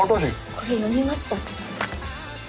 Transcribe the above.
これ読みました？